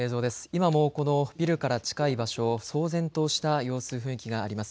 今もこのビルから近い場所、騒然とした様子、雰囲気があります。